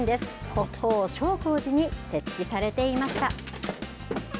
国宝、勝興寺に設置されていました。